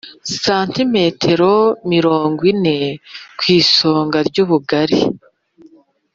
santimetero mirongo ine kw'isonga y'ubugari